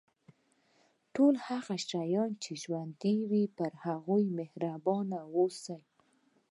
ټول هغه شیان چې ژوندي وي پر هغوی مهربان اوسه.